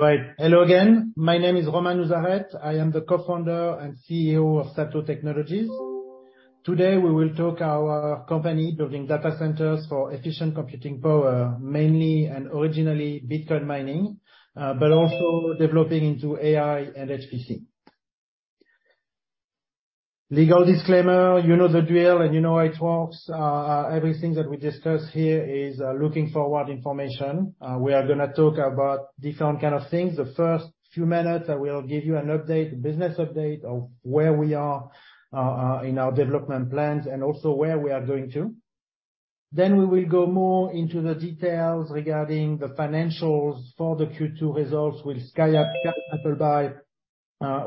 Right. Hello again. My name is Romain Nouzareth. I am the co-founder and CEO of SATO Technologies. Today, we will talk our company building data centers for efficient computing power, mainly and originally Bitcoin mining, but also developing into AI and HPC. Legal disclaimer, you know the drill, and you know how it works. Everything that we discuss here is looking forward information. We are gonna talk about different kind of things. The first few minutes, I will give you an update, a business update of where we are in our development plans and also where we are going to. We will go more into the details regarding the financials for the Q2 results with Kyle Appleby,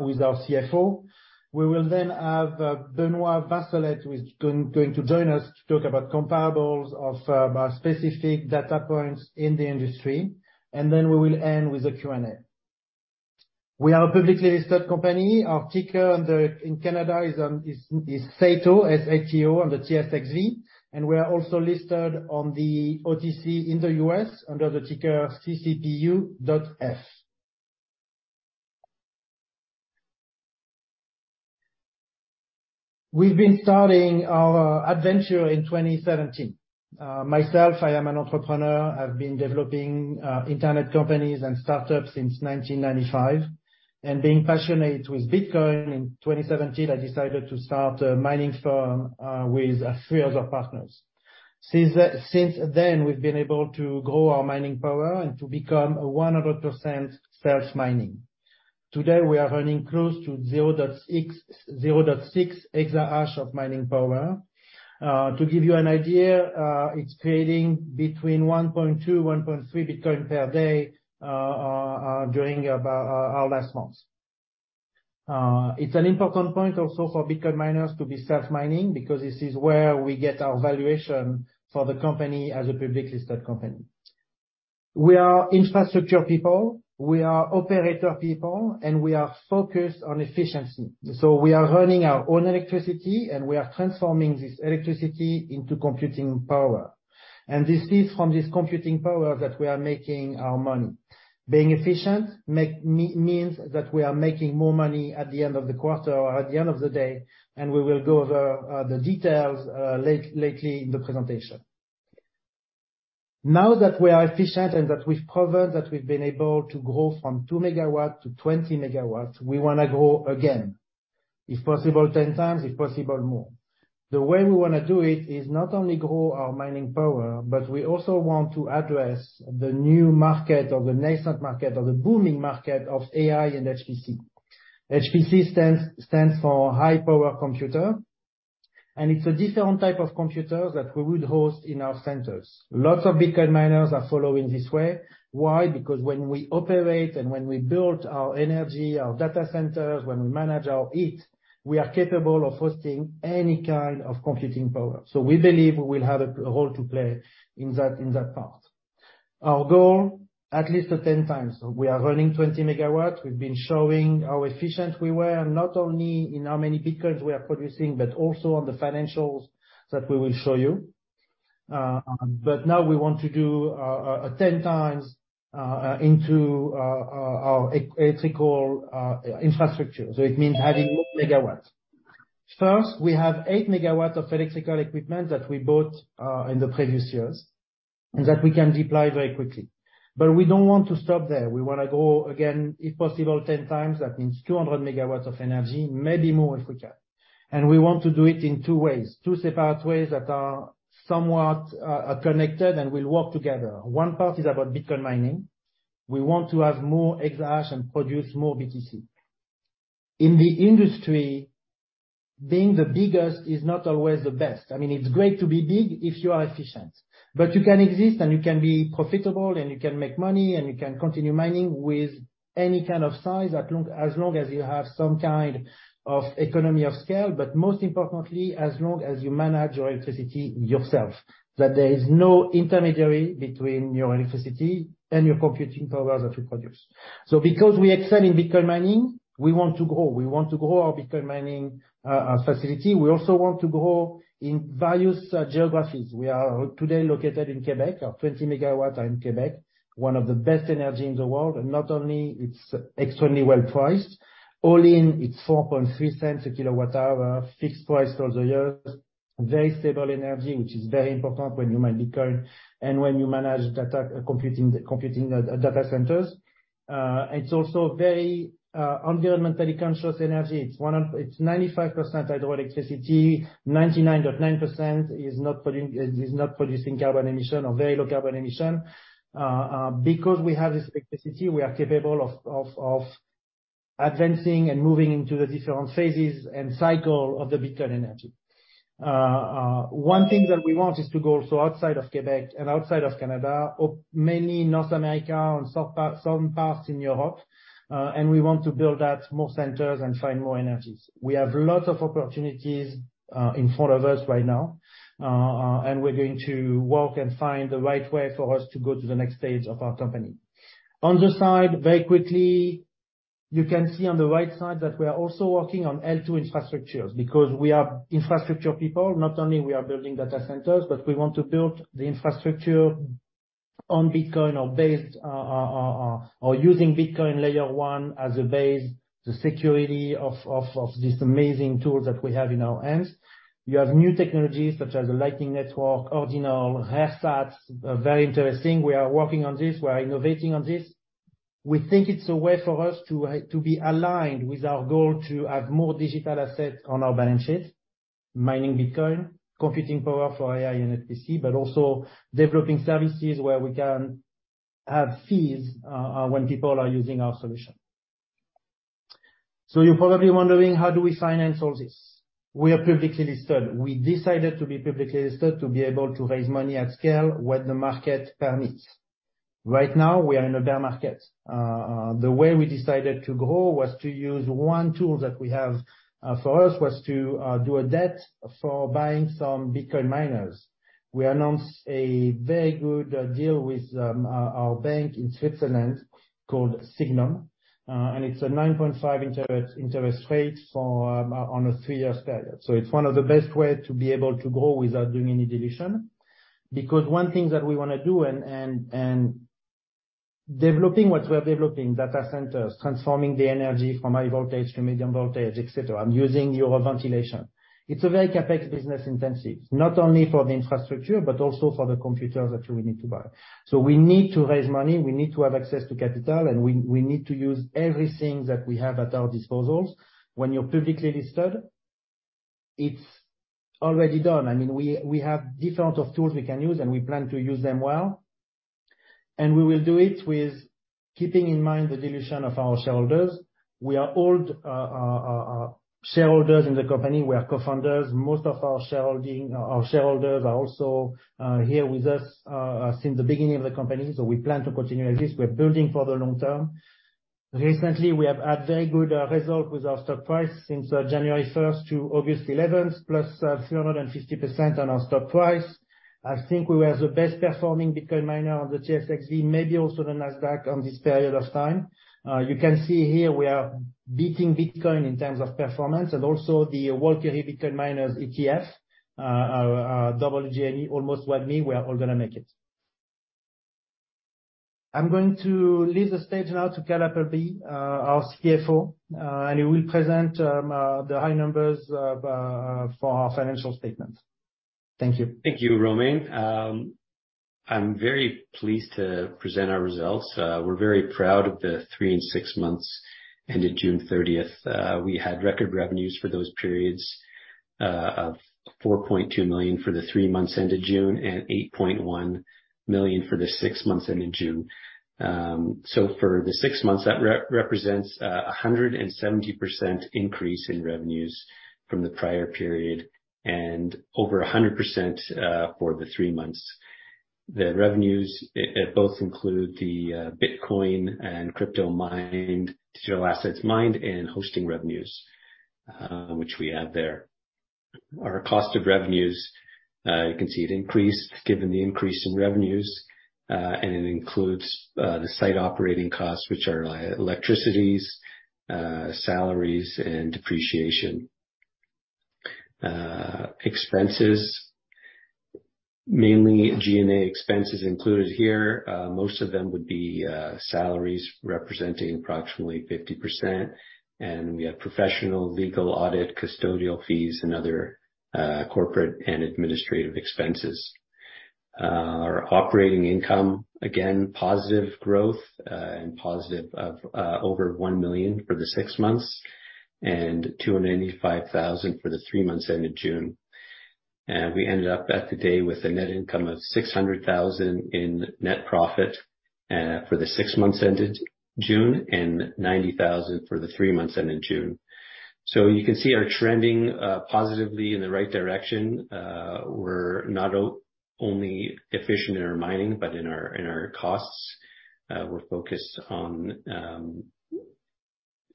with our CFO. We will have Benoit Vincelette, who is going to join us to talk about comparables of about specific data points in the industry, and we will end with a Q&A. We are a publicly listed company. Our ticker on the in Canada is SATO, S-A-T-O, on the TSXV, we are also listed on the OTC in the US under the ticker CCPU.F. We've been starting our adventure in 2017. Myself, I am an entrepreneur. I've been developing internet companies and startups since 1995, being passionate with Bitcoin, in 2017, I decided to start a mining firm with three other partners. Since then, we've been able to grow our mining power and to become a 100% self-mining. Today, we are running close to 0.6, 0.6 exahash of mining power. To give you an idea, it's creating between 1.2, 1.3 Bitcoin per day, during about our last month. It's an important point also for Bitcoin miners to be self-mining, because this is where we get our valuation for the company as a publicly listed company. We are infrastructure people, we are operator people, and we are focused on efficiency. We are running our own electricity, and we are transforming this electricity into computing power. This is from this computing power that we are making our money. Being efficient means that we are making more money at the end of the quarter or at the end of the day, and we will go over the details lately in the presentation. Now, that we are efficient and that we've proven that we've been able to grow from 2 MW to 20 MW, we want to grow again. If possible, 10 times, if possible, more. The way we want to do it, is not only grow our mining power, but we also want to address the new market or the nascent market or the booming market of AI and HPC. HPC stands for High Power Computer, and it's a different type of computer that we would host in our centers. Lots of Bitcoin miners are following this way. Why? When we operate and when we build our energy, our data centers, when we manage our heat, we are capable of hosting any kind of computing power. We believe we will have a role to play in that, in that part. Our goal, at least at ten times. We are running 20 MW. We've been showing how efficient we were, not only in how many Bitcoins we are producing, but also on the financials that we will show you. But now we want to do a ten times into our electrical infrastructure, so it means having more megawatts. First, we have 8 MW of electrical equipment that we bought in the previous years, and that we can deploy very quickly. We don't want to stop there. We want to go again, if possible, ten times. That means 200 MW of energy, maybe more, if we can. We want to do it in two ways, two separate ways that are somewhat connected and will work together. One part is about Bitcoin mining. We want to have more exahash and produce more BTC. In the industry, being the biggest is not always the best. I mean, it's great to be big if you are efficient, but you can exist, and you can be profitable, and you can make money, and you can continue mining with any kind of size, as long, as long as you have some kind of economy of scale, but most importantly, as long as you manage your electricity yourself, that there is no intermediary between your electricity and your computing power that you produce. Because we excel in Bitcoin mining, we want to grow. We want to grow our Bitcoin mining facility. We also want to grow in various geographies. We are today located in Quebec. Our 20 MW are in Quebec, one of the best energy in the world. Not only it's extremely well priced, all in, it's $0.043 a kWh, fixed price for the year, very stable energy, which is very important when you mine Bitcoin, and when you manage data computing, computing data centers. It's also very environmentally conscious energy. It's 95% hydroelectricity, 99.9% is not producing carbon emission or very low carbon emission. Because we have this electricity, we are capable of advancing and moving into the different phases and cycle of the Bitcoin energy. One thing that we want is to go also outside of Quebec and outside of Canada, mainly North America and some parts in Europe, and we want to build out more centers and find more energies. We have lots of opportunities in front of us right now, and we're going to work and find the right way for us to go to the next phase of our company. On the side, very quickly. You can see on the right side that we are also working on L2 infrastructures, because we are infrastructure people. Not only we are building data centers, but we want to build the infrastructure on Bitcoin or based, or using Bitcoin Layer 1 as a base, the security of this amazing tool that we have in our hands. We have new technologies such as the Lightning Network, Ordinals, Rare Sats, very interesting. We are working on this. We are innovating on this. We think it's a way for us to be aligned with our goal to have more digital assets on our balance sheet, mining Bitcoin, computing power for AI and HPC, but also developing services where we can have fees when people are using our solution. You're probably wondering, how do we finance all this? We are publicly listed. We decided to be publicly listed to be able to raise money at scale when the market permits. Right now, we are in a bear market. The way we decided to grow was to use one tool that we have for us, was to do a debt for buying some Bitcoin miners. We announced a very good deal with our bank in Switzerland called Sygnum, and it's a 9.5 interest rate for a three year period. It's one of the best way to be able to grow without doing any dilution. One thing that we want to do and developing what we are developing, data centers, transforming the energy from high voltage to medium voltage, et cetera, and using your ventilation. It's a very CapEx business intensive, not only for the infrastructure, but also for the computers that we need to buy. We need to raise money, we need to have access to capital, and we need to use everything that we have at our disposals. When you're publicly listed, it's already done. I mean, we, we have different of tools we can use, we plan to use them well. We will do it with keeping in mind the dilution of our shareholders. We are all shareholders in the company. We are co-founders. Most of our shareholding, our shareholders are also here with us since the beginning of the company, so we plan to continue as this. We're building for the long term. Recently, we have had very good results with our stock price since January 1st to August 11th, plus 350% on our stock price. I think we were the best performing Bitcoin miner on the TSXV, maybe also the Nasdaq on this period of time. You can see here we are beating Bitcoin in terms of performance and also the Valkyrie Bitcoin Miners ETF, WGMI, almost like me, we're all gonna make it. I'm going to leave the stage now to Kyle Appleby, our CFO, and he will present the high numbers for our financial statement. Thank you. Thank you, Romain. I'm very pleased to present our results. We're very proud of the three and six months ended June thirtieth. We had record revenues for those periods, of $4.2 million for the three months ended June, and $8.1 million for the six months ended June. For the six months, that represents a 170% increase in revenues from the prior period, and over 100% for the three months. The revenues both include the Bitcoin and crypto mined, digital assets mined, and hosting revenues, which we have there. Our cost of revenues, you can see it increased given the increase in revenues, and it includes the site operating costs, which are electricities, salaries, and depreciation. Expenses, mainly G&A expenses included here. Most of them would be salaries representing approximately 50%, we have professional, legal, audit, custodial fees, and other corporate and administrative expenses. Our operating income, again, positive growth, positive of over $1 million for the six months, $285,000 for the three months ended June. We ended up at the day with a net income of $600,000 in net profit for the six months ended June, and $90,000 for the three months ended June. You can see our trending positively in the right direction. We're not only efficient in our mining, but in our, in our costs. We're focused on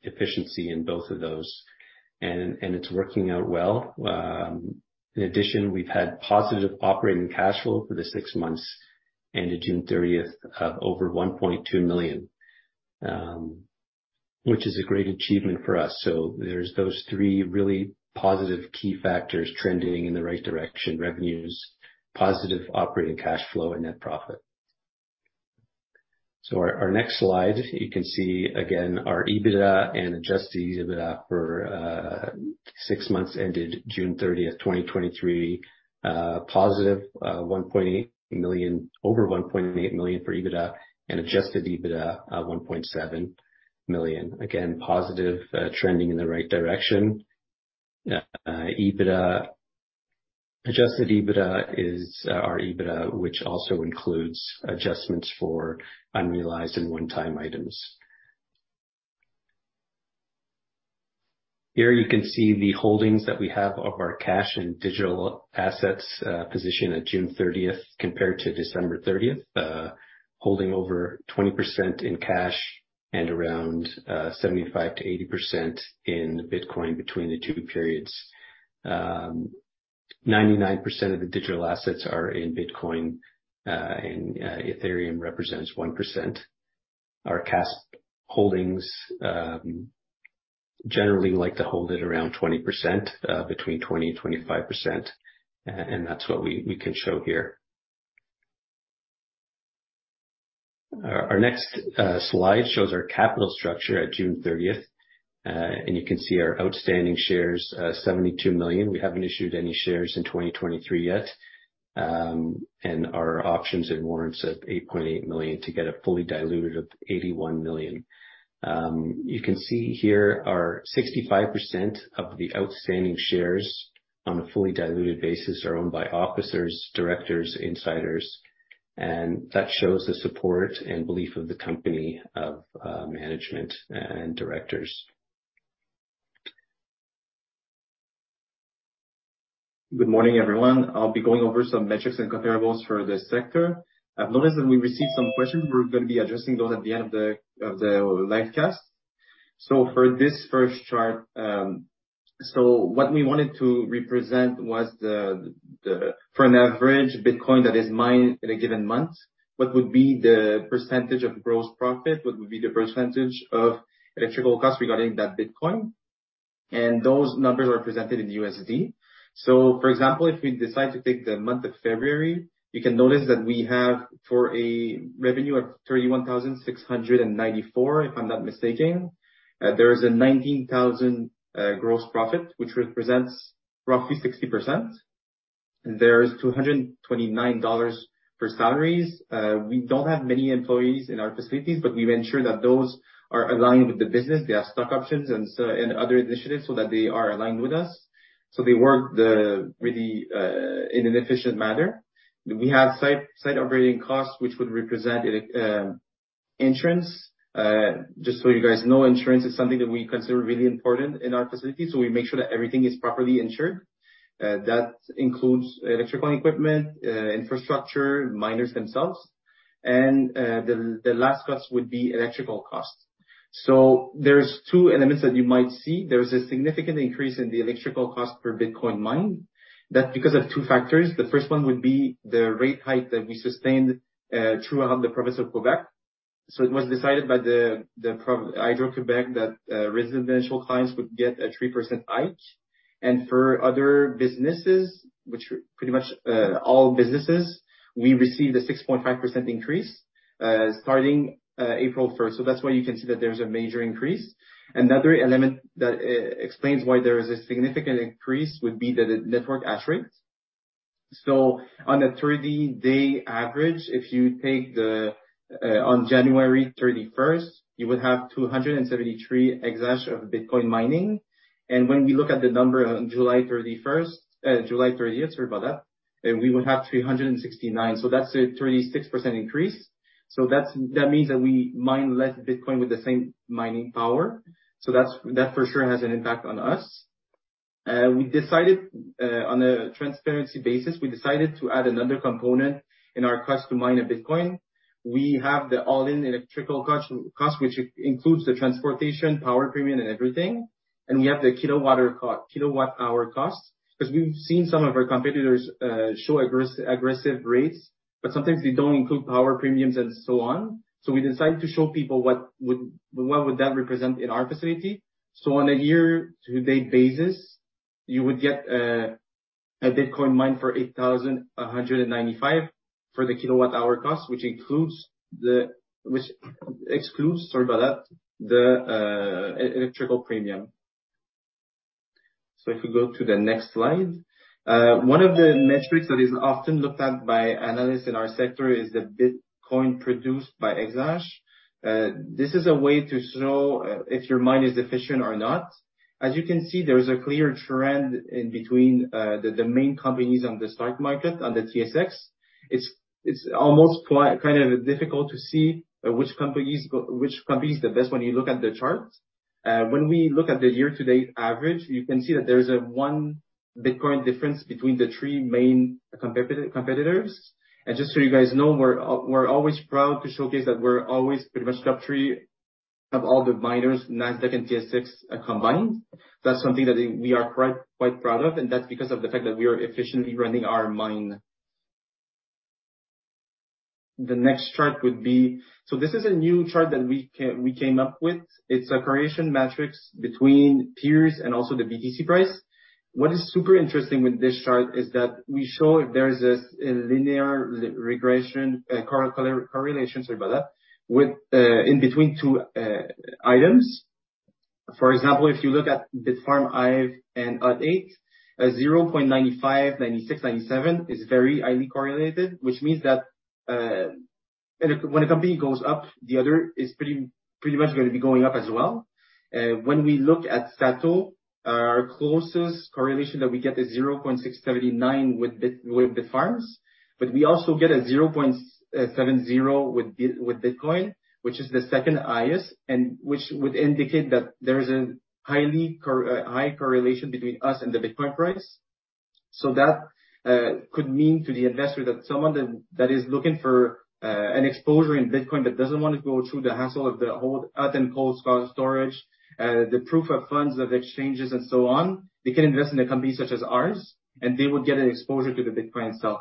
efficiency in both of those, and it's working out well. In addition, we've had positive operating cash flow for the six months ended June 30th, of over $1.2 million, which is a great achievement for us. There's those three really positive key factors trending in the right direction: revenues, positive operating cash flow, and net profit. Our, our next slide, you can see again our EBITDA and adjusted EBITDA for six months ended June 30th, 2023. Positive, $1.8 million, over $1.8 million for EBITDA and adjusted EBITDA, $1.7 million. Again, positive, trending in the right direction. EBITDA, adjusted EBITDA is our EBITDA, which also includes adjustments for unrealized and one-time items. Here you can see the holdings that we have of our cash and digital assets, position at June 30th compared to December 30th. Holding over 20% in cash and around 75% - 80% in Bitcoin between the two periods. 99% of the digital assets are in Bitcoin, and Ethereum represents 1%. Our cash holdings, generally like to hold it around 20%, between 20% and 25%, and that's what we, we can show here. Our next slide shows our capital structure at June 30, and you can see our outstanding shares, 72 million. We haven't issued any shares in 2023 yet. And our options and warrants of 8.8 million to get a fully diluted of 81 million. You can see here, our 65% of the outstanding shares on a fully diluted basis are owned by officers, directors, insiders, and that shows the support and belief of the company of management and directors. Good morning, everyone. I'll be going over some metrics and comparables for the sector. I've noticed that we received some questions. We're gonna be addressing those at the end of the live cast. For this first chart, what we wanted to represent was for an average Bitcoin that is mined in a given month, what would be the percentage of gross profit? What would be the percentage of electrical cost regarding that Bitcoin? Those numbers are presented in USD. For example, if we decide to take the month of February, you can notice that we have, for a revenue of $31,694, if I'm not mistaken, there is a $19,000 gross profit, which represents roughly 60%. There's $229 for salaries. We don't have many employees in our facilities, we've ensured that those are aligned with the business. They have stock options and other initiatives, that they are aligned with us. They work really in an efficient manner. We have site operating costs, which would represent it, insurance. Just so you guys know, insurance is something that we consider really important in our facility, we make sure that everything is properly insured. That includes electrical equipment, infrastructure, miners themselves, and the last cost would be electrical costs. There's two elements that you might see. There's a significant increase in the electrical cost per Bitcoin mined. That's because of two factors. The first one would be the rate hike that we sustained throughout the province of Quebec. It was decided by Hydro-Québec that residential clients would get a 3% hike. For other businesses, which pretty much all businesses, we received a 6.5% increase starting April 1st. That's why you can see that there's a major increase. Another element that explains why there is a significant increase would be the network hashrate. On a 30 day average, if you take the on January 31st, you would have 273 exahash of Bitcoin mining. When we look at the number on July 31st, July 30th, sorry about that, we would have 369. That's a 36% increase. That means that we mine less Bitcoin with the same mining power. That's, that for sure has an impact on us. We decided, on a transparency basis, we decided to add another component in our cost to mine a Bitcoin. We have the all-in electrical cost, which includes the transportation, power premium, and everything, and we have the kilowatt hour cost, 'cause we've seen some of our competitors show aggressive, aggressive rates, but sometimes they don't include power premiums and so on. We decided to show people what would that represent in our facility. On a year-to-date basis, you would get a Bitcoin mined for $8,195 for the kilowatt hour cost, which excludes, sorry about that, the electrical premium. If we go to the next slide. One of the metrics that is often looked at by analysts in our sector is the Bitcoin produced by exahash. This is a way to show if your mine is efficient or not. As you can see, there is a clear trend in between the main companies on the stock market, on the TSX. It's, it's almost kind of difficult to see which companies which company is the best when you look at the chart. When we look at the year-to-date average, you can see that there's a one Bitcoin difference between the three main competitors. Just so you guys know, we're, we're always proud to showcase that we're always pretty much top three of all the miners, NASDAQ and TSX combined. That's something that we are quite, quite proud of, and that's because of the fact that we are efficiently running our mine. The next chart would be. This is a new chart that we came up with. It's a correlation metrics between peers and also the BTC price. What is super interesting with this chart is that we show if there is a linear re-regression, correlation, sorry about that, with in between two items. For example, if you look at Bitfarms, Hive and Hut 8, 0.95, 0.96, 0.97 is very highly correlated, which means that when a company goes up, the other is pretty, pretty much gonna be going up as well. When we look at SATO, our closest correlation that we get is 0.679 with Bitfarms, but we also get a 0.70 with Bitcoin, which is the second highest, and which would indicate that there is a high correlation between us and the Bitcoin price. That could mean to the investor, that someone that, that is looking for an exposure in Bitcoin, but doesn't want to go through the hassle of the whole hot and cold storage, the proof of funds of exchanges and so on, they can invest in a company such as ours, and they would get an exposure to the Bitcoin itself.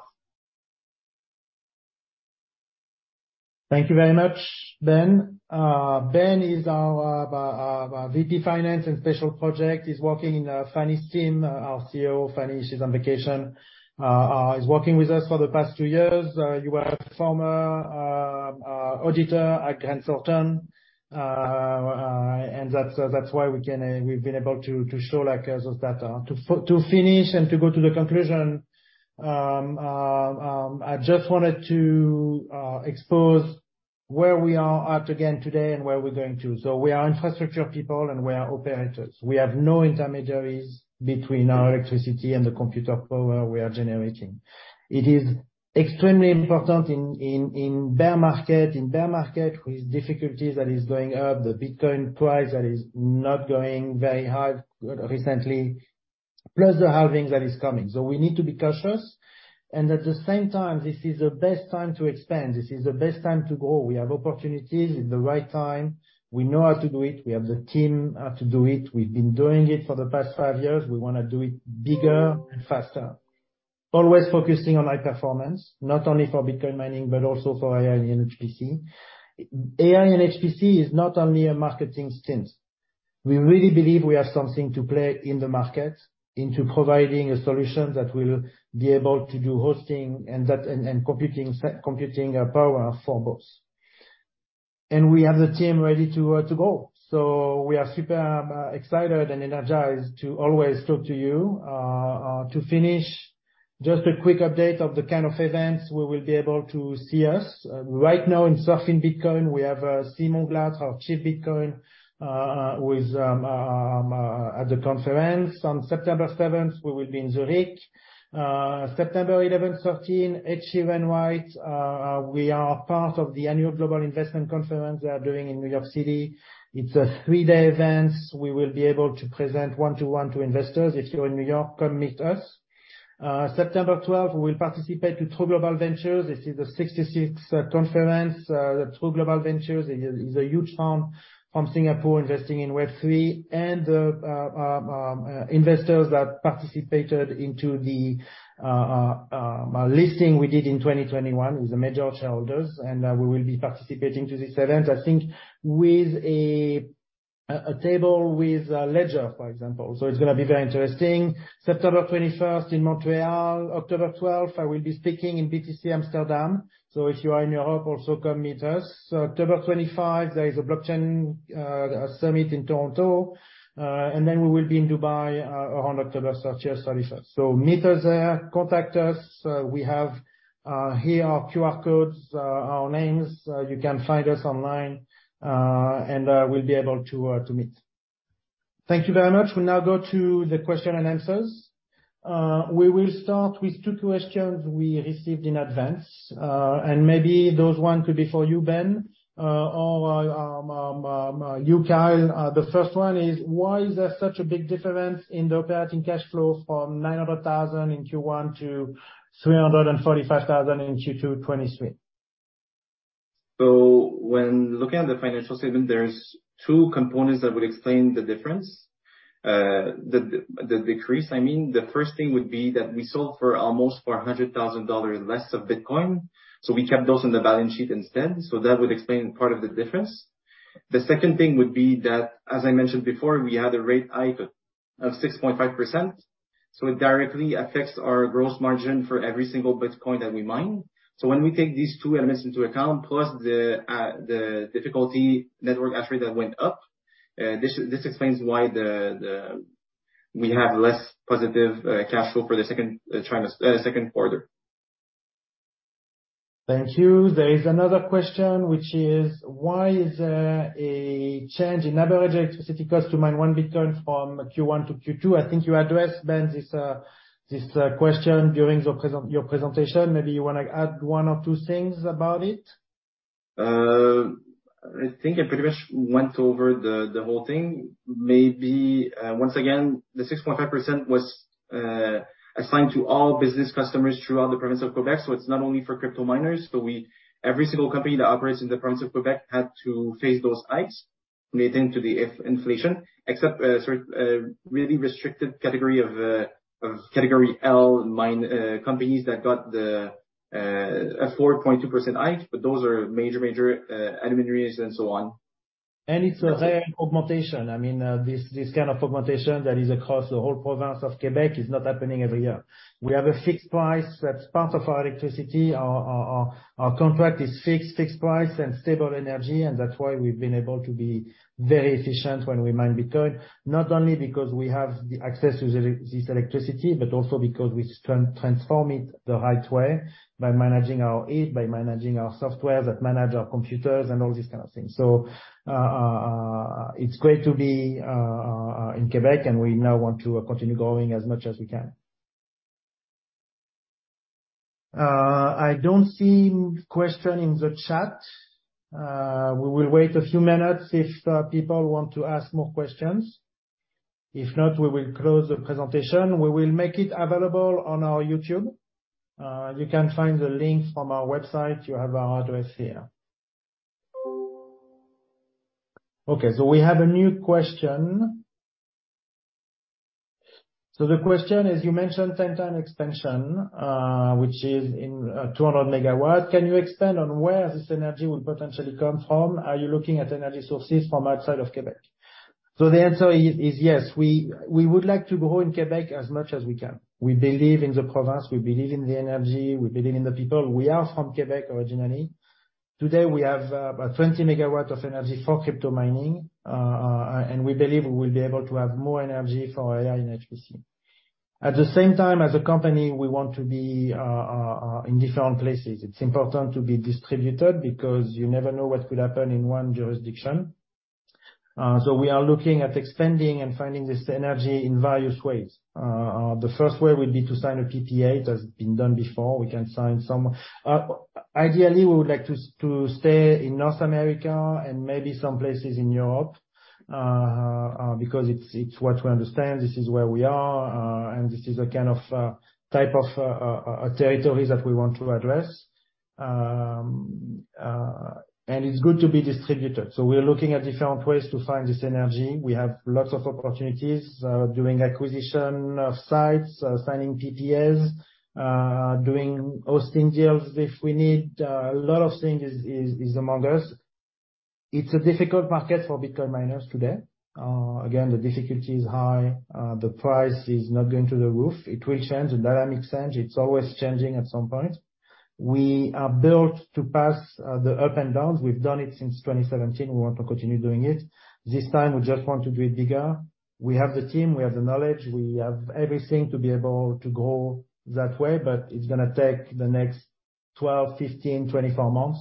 Thank you very much, Ben. Ben is our, our, our VP Finance and Special Project. He's working in Fanny's team. Our CEO, Fanny, she's on vacation. He's working with us for the past two years. You were a former auditor at Grant Thornton. That's, that's why we can, we've been able to, to show, like, those data. To finish and to go to the conclusion, I just wanted to expose where we are at again today and where we're going to. We are infrastructure people, and we are operators. We have no intermediaries between our electricity and the computer power we are generating. It is extremely important in bear market, in bear market with difficulties that is going up, the Bitcoin price that is not going very high recently, plus the halving that is coming. We need to be cautious, and at the same time, this is the best time to expand. This is the best time to grow. We have opportunities. It's the right time. We know how to do it. We have the team how to do it. We've been doing it for the past five years. We want to do it bigger and faster, always focusing on High-Performance Computing, not only for Bitcoin mining but also for AI and HPC. AI and HPC is not only a marketing stint. We really believe we have something to play in the market, into providing a solution that will be able to do hosting and that, and, and computing se, computing power for both. We have the team ready to go. We are super excited and energized to always talk to you. To finish, just a quick update of the kind of events where you will be able to see us. Right now in Surfin' Bitcoin, we have Simon Glatz, our Chief Bitcoin, with at the conference. On September seventh, we will be in Zurich. September eleventh, thirteen, H.C. Wainwright, we are part of the annual global investment conference they are doing in New York City. It's a three day event. We will be able to present one-to-one to investors. If you're in New York, come meet us. September 12th, we will participate with True Global Ventures. This is the 66th conference. The True Global Ventures is a huge firm from Singapore investing in Web3, and the investors that participated into the listing we did in 2021 is the major shareholders, we will be participating to this event, I think with a table with Ledger, for example. It's gonna be very interesting. September 21st in Montreal. October 12th, I will be speaking in Bitcoin Amsterdam, if you are in Europe, also come meet us. October 25, there is a blockchain summit in Toronto. We will be in Dubai on October 31st. Meet us there, contact us. We have here our QR codes, our names. You can find us online, and we'll be able to meet. Thank you very much. We'll now go to the question and answers. We will start with two questions we received in advance. Maybe those one could be for you, Ben, or you, Kyle. The first one is: Why is there such a big difference in the operating cash flow from $900,000 in Q1 to $345,000 in Q2 2023? When looking at the financial statement, there's two components that would explain the difference, the decrease, I mean. The first thing would be that we sold for almost $400,000 less of Bitcoin, so we kept those on the balance sheet instead. That would explain part of the difference. The second thing would be that, as I mentioned before, we had a rate hike of 6.5%, so it directly affects our gross margin for every single Bitcoin that we mine. When we take these two elements into account, plus the difficulty network hashrate that went up, this explains why we have less positive cash flow for the Q2. Thank you. There is another question, which is: Why is there a change in average electricity cost to mine one Bitcoin from Q1 to Q2? I think you addressed, Ben, this, this question during your presentation. Maybe you wanna add one or two things about it. I think I pretty much went over the, the whole thing. Maybe, once again, the 6.5% was assigned to all business customers throughout the province of Quebec, so it's not only for crypto miners, but every single company that operates in the province of Quebec had to face those hikes relating to the inflation, except, really restricted category of Rate L companies that got the a 4.2% hike, but those are major, major aluminum and so on. It's a rare augmentation. I mean, this, this kind of augmentation that is across the whole province of Quebec is not happening every year. We have a fixed price. That's part of our electricity. Our, our, our, our contract is fixed, fixed price and stable energy, and that's why we've been able to be very efficient when we mine Bitcoin. Not only because we have the access to this electricity, but also because we transform it the right way by managing our heat, by managing our software, that manage our computers and all these kind of things. it's great to be in Quebec, and we now want to continue growing as much as we can. I don't see question in the chat. We will wait a few minutes if people want to ask more questions. If not, we will close the presentation. We will make it available on our YouTube. You can find the link from our website. You have our address here. We have a new question. The question is: You mentioned 10 times expansion, which is in 200 MW. Can you expand on where this energy will potentially come from? Are you looking at energy sources from outside of Quebec? The answer is, is yes. We, we would like to grow in Quebec as much as we can. We believe in the province, we believe in the energy, we believe in the people. We are from Quebec originally. Today, we have about 20 MW of energy for crypto mining, and we believe we will be able to have more energy for AI and HPC. At the same time, as a company, we want to be in different places. It's important to be distributed, because you never know what will happen in one jurisdiction. We are looking at expanding and finding this energy in various ways. The first way would be to sign a PPA, it has been done before. We can sign some. Ideally, we would like to stay in North America and maybe some places in Europe, because it's what we understand, this is where we are, and this is a kind of type of territories that we want to address. It's good to be distributed, so we're looking at different ways to find this energy. We have lots of opportunities, doing acquisition of sites, signing PPAs, doing hosting deals if we need. A lot of things is, is, is among us. It's a difficult market for Bitcoin miners today. Again, the difficulty is high, the price is not going through the roof. It will change, the dynamics change. It's always changing at some point. We are built to pass the up and downs. We've done it since 2017, we want to continue doing it. This time, we just want to do it bigger. We have the team, we have the knowledge, we have everything to be able to grow that way, but it's gonna take the next 12, 15, 24 months,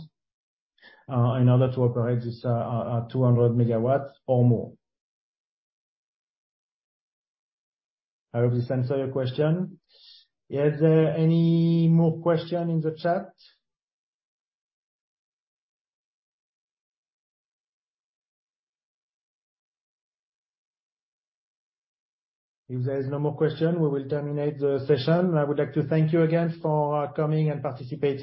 in order to operate this 200 MW or more. I hope this answered your question. Is there any more question in the chat? If there is no more question, we will terminate the session. I would like to thank you again for coming and participating.